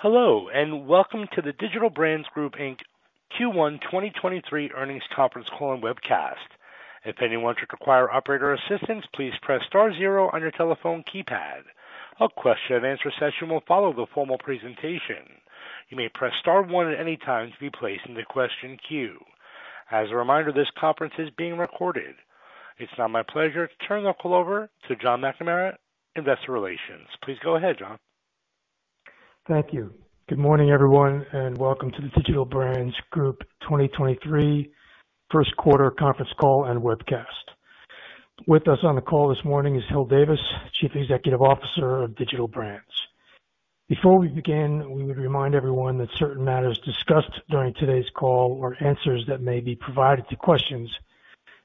Hello, welcome to the Digital Brands Group Inc Q1 2023 earnings conference call and webcast. If anyone should require operator assistance, please press star zero on your telephone keypad. A question-and-answer session will follow the formal presentation. You may press star one at any time to be placed in the question queue. As a reminder, this conference is being recorded. It's now my pleasure to turn the call over to John McNamara, Investor Relations. Please go ahead, John. Thank you. Good morning, everyone, and welcome to the Digital Brands Group 2023 first quarter conference call and webcast. With us on the call this morning is Hil Davis, Chief Executive Officer of Digital Brands. Before we begin, we would remind everyone that certain matters discussed during today's call or answers that may be provided to questions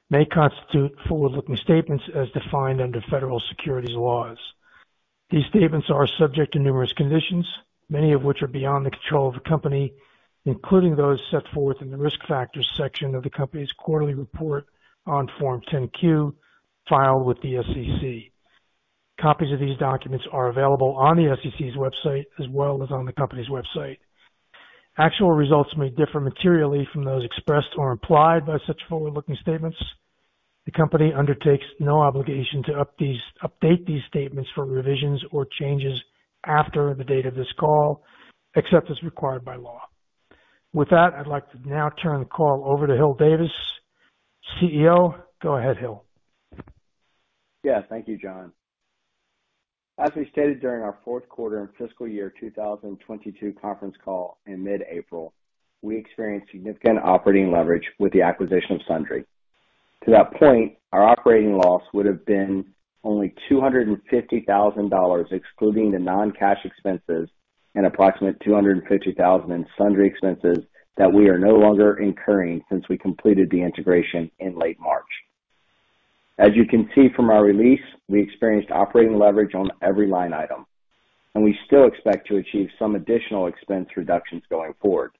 may constitute forward-looking statements as defined under federal securities laws. These statements are subject to numerous conditions, many of which are beyond the control of the company, including those set forth in the Risk Factors section of the company's quarterly report on Form 10-Q filed with the SEC. Copies of these documents are available on the SEC's website as well as on the company's website. The company undertakes no obligation to update these statements for revisions or changes after the date of this call, except as required by law. With that, I'd like to now turn the call over to Hil Davis, CEO. Go ahead, Hil. Thank you John. As we stated during our fourth quarter and fiscal year 2022 conference call in mid-April, we experienced significant operating leverage with the acquisition of Sundry. To that point, our operating loss would have been only $250,000, excluding the non-cash expenses and approximately $250,000 in Sundry expenses that we are no longer incurring since we completed the integration in late March. As you can see from our release, we experienced operating leverage on every line item. We still expect to achieve some additional expense reductions going forward.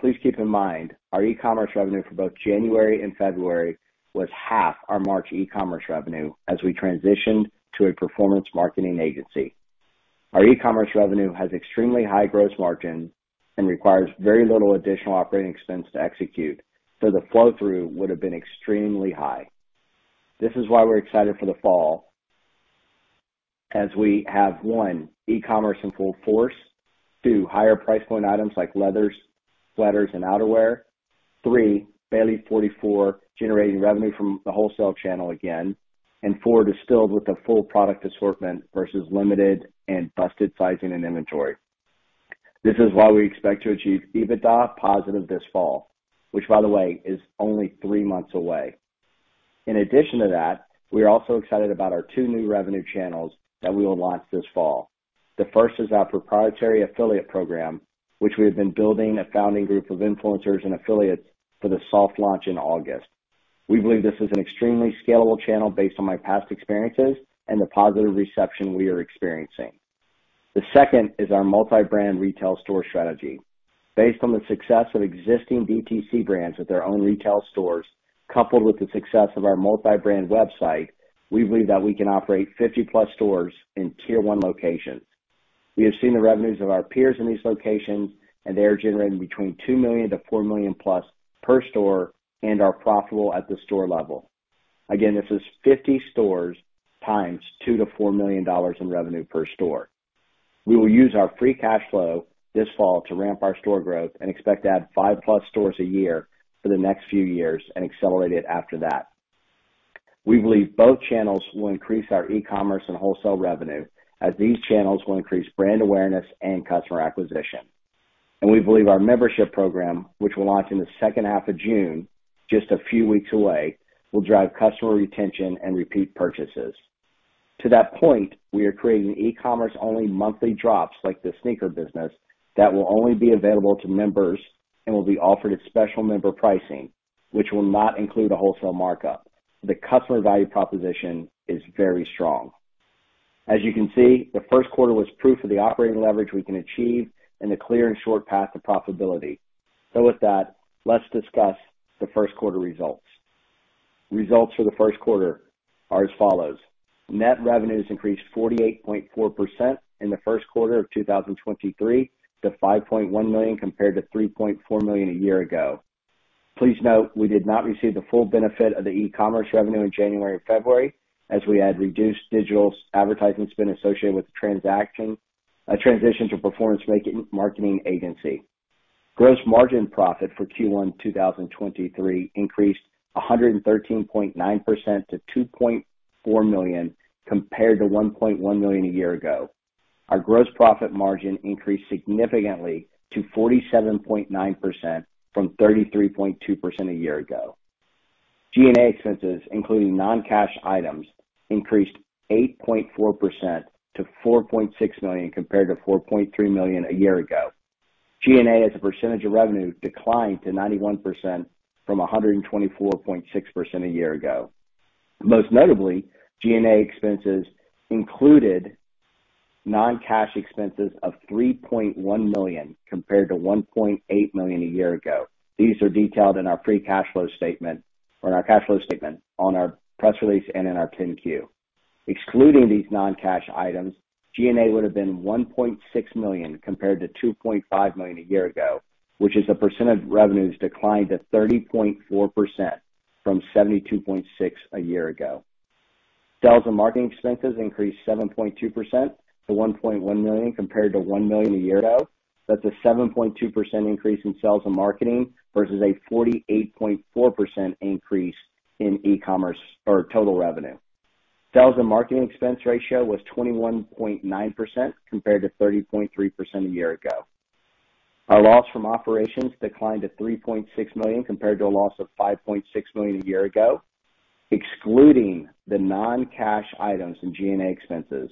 Please keep in mind our e-commerce revenue for both January and February was half our March e-commerce revenue as we transitioned to a performance marketing agency. Our e-commerce revenue has extremely high gross margin and requires very little additional operating expense to execute, the flow-through would have been extremely high. This is why we're excited for the fall as we have, one e-commerce in full force. Two, higher price point items like leathers, sweaters, and outerwear. Three, Bailey/44 generating revenue from the wholesale channel again. Four, DSTLD with a full product assortment versus limited and busted sizing and inventory. This is why we expect to achieve EBITDA positive this fall, which by the way, is only three months away. In addition to that, we are also excited about our two new revenue channels that we will launch this fall. The first is our proprietary affiliate program, which we have been building a founding group of influencers and affiliates for the soft launch in August. We believe this is an extremely scalable channel based on my past experiences and the positive reception we are experiencing. The second is our multi-brand retail store strategy. Based on the success of existing DTC brands with their own retail stores, coupled with the success of our multi-brand website, we believe that we can operate 50-plus stores in tier one locations. We have seen the revenues of our peers in these locations, they are generating between $2 million-$4 million-plus per store and are profitable at the store level. Again, this is 50 stores times $2 million-$4 million in revenue per store. We will use our free cash flow this fall to ramp our store growth and expect to add 5-plus stores a year for the next few years and accelerate it after that. We believe both channels will increase our e-commerce and wholesale revenue, as these channels will increase brand awareness and customer acquisition. We believe our membership program, which will launch in the second half of June, just a few weeks away, will drive customer retention and repeat purchases. To that point, we are creating e-commerce-only monthly drops, like the sneaker business, that will only be available to members and will be offered at special member pricing, which will not include a wholesale markup. The customer value proposition is very strong. As you can see, the first quarter was proof of the operating leverage we can achieve and a clear and short path to profitability. With that, let's discuss the first quarter results. Results for the first quarter are as follows: Net revenues increased 48.4% in the first quarter of 2023 to $5.1 million compared to $3.4 million a year ago. Please note, we did not receive the full benefit of the e-commerce revenue in January or February, as we had reduced digital advertising spend associated with the transaction, transition to a performance marketing agency. Gross margin profit for Q1 2023 increased 113.9% to $2.4 million, compared to $1.1 million a year ago. Our gross profit margin increased significantly to 47.9% from 33.2% a year ago. G&A expenses, including non-cash items, increased 8.4% to $4.6 million compared to $4.3 million a year ago. G&A, as a percentage of revenue, declined to 91% from 124.6% a year ago. Most notably, G&A expenses included non-cash expenses of $3.1 million compared to $1.8 million a year ago. These are detailed in our cash flow statement, on our press release, and in our 10-Q. Excluding these non-cash items, G&A would have been $1.6 million compared to $2.5 million a year ago, which is a % of revenues declined to 30.4% from 72.6% a year ago. Sales and marketing expenses increased 7.2% to $1.1 million compared to $1 million a year ago. That's a 7.2% increase in sales and marketing versus a 48.4% increase in e-commerce or total revenue. Sales and marketing expense ratio was 21.9% compared to 30.3% a year ago. Our loss from operations declined to $3.6 million compared to a loss of $5.6 million a year ago. Excluding the non-cash items and G&A expenses,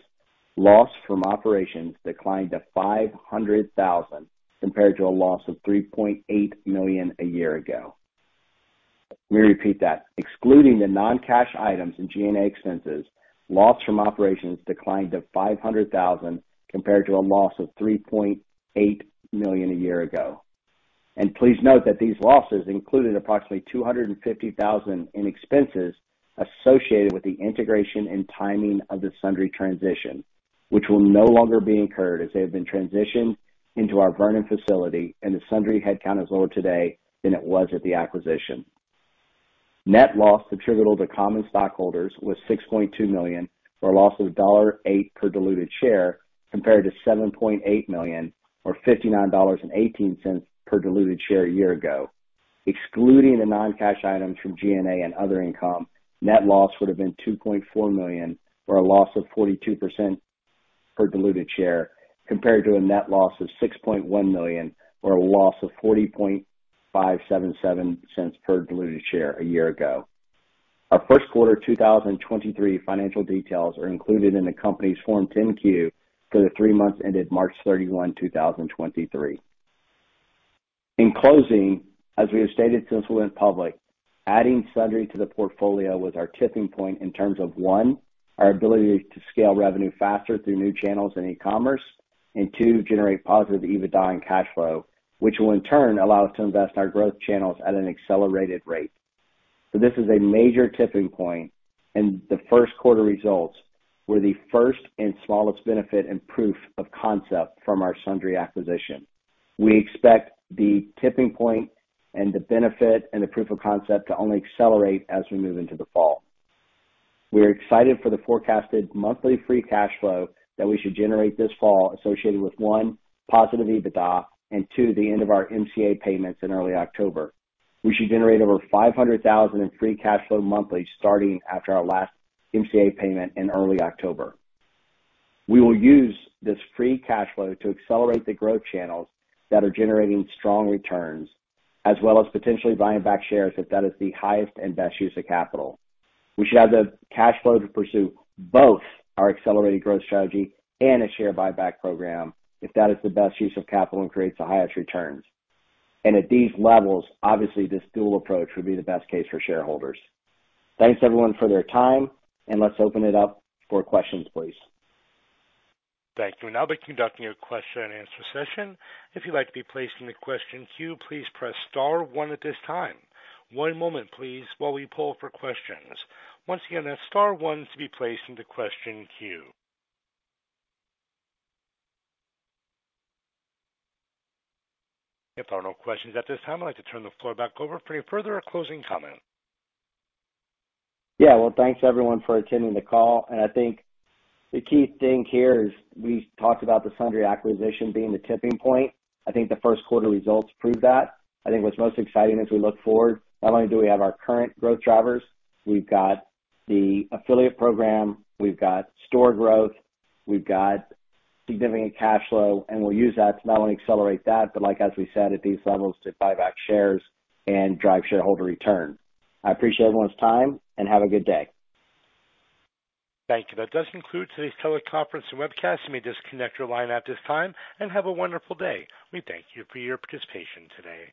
loss from operations declined to $500,000 compared to a loss of $3.8 million a year ago. Let me repeat that. Excluding the non-cash items and G&A expenses, loss from operations declined to $500,000 compared to a loss of $3.8 million a year ago. Please note that these losses included approximately $250,000 in expenses associated with the integration and timing of the Sundry transition, which will no longer be incurred as they have been transitioned into our Vernon facility. The Sundry headcount is lower today than it was at the acquisition. Net loss attributable to common stockholders was $6.2 million, or a loss of $0.08 per diluted share, compared to $7.8 million or $59.18 per diluted share a year ago. Excluding the non-cash items from G&A and other income, net loss would have been $2.4 million or a loss of 42% per diluted share, compared to a net loss of $6.1 million or a loss of $0.40577 per diluted share a year ago. Our first quarter 2023 financial details are included in the company's Form 10-Q for the three months ended March 31, 2023. In closing, as we have stated since we went public, adding Sundry to the portfolio was our tipping point in terms of one, our ability to scale revenue faster through new channels and e-commerce, and two, generate positive EBITDA and cash flow, which will in turn allow us to invest in our growth channels at an accelerated rate. This is a major tipping point, and the first quarter results were the first and smallest benefit and proof of concept from our Sundry acquisition. We expect the tipping point and the benefit and the proof of concept to only accelerate as we move into the fall. We're excited for the forecasted monthly free cash flow that we should generate this fall associated with one, positive EBITDA, and two, the end of our MCA payments in early October. We should generate over $500,000 in free cash flow monthly starting after our last MCA payment in early October. We will use this free cash flow to accelerate the growth channels that are generating strong returns, as well as potentially buying back shares if that is the highest and best use of capital. We should have the cash flow to pursue both our accelerated growth strategy and a share buyback program if that is the best use of capital and creates the highest returns. At these levels, obviously this dual approach would be the best case for shareholders. Thanks everyone, for their time, and let's open it up for questions, please. Thank you. We'll now be conducting a question-and-answer session. If you'd like to be placed in the question queue, please press star one at this time. One moment, please, while we pull for questions. Once again, that's star one to be placed into question queue. If there are no questions at this time, I'd like to turn the floor back over for any further closing comments. Yeah. Well thanks everyone for attending the call. I think the key thing here is we talked about the Sundry acquisition being the tipping point. I think the first quarter results prove that. I think what's most exciting as we look forward, not only do we have our current growth drivers, we've got the affiliate program, we've got store growth, we've got significant cash flow, and we'll use that to not only accelerate that, but like as we said, at these levels, to buy back shares and drive shareholder return. I appreciate everyone's time and have a good day. Thank you. That does conclude today's teleconference and webcast. You may disconnect your line at this time and have a wonderful day. We thank you for your participation today.